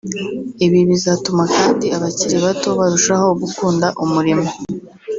Ibi bizatuma kandi abakiri bato barushaho gukunda umurimo